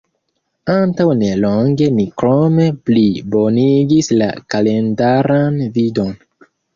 Antaŭ nelonge, ni krome plibonigis la kalendaran vidon.